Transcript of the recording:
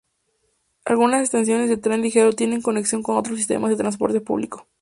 Algunas estaciones del tren ligero tienen conexión con otros sistemas de transporte público.